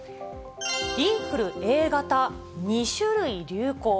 インフルＡ型２種類流行。